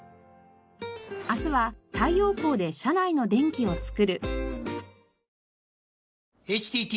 明日は太陽光で社内の電気をつくる。